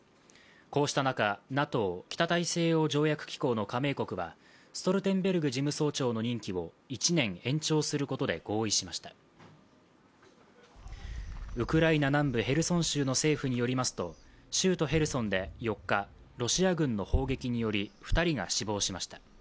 こうした中、ＮＡＴＯ＝北大西洋条約機構の加盟国はストルテンベルグ事務総長の任期を１年延長することで合意しましたウクライナ南部ヘルソン州の政府によりますと州都ヘルソンで４日、ロシア軍の砲撃により２人が死亡しました。